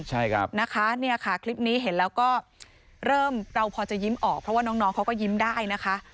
ใช่ครับนะคะเนี่ยค่ะคลิปนี้เห็นแล้วก็เริ่มเราพอจะยิ้มออกเพราะว่าน้องเขาก็ยิ้มได้นะคะ